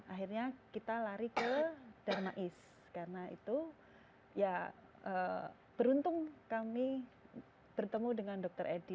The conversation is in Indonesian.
akhirnya kita lari ke dermais karena itu ya beruntung kami bertemu dengan dokter edi